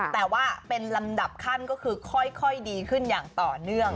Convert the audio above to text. แต่ว่าเป็นลำดับขั้นก็คือค่อยดีขึ้นอย่างต่อเนื่อง